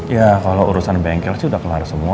ya kalau urusan bengkel sih udah kelar semua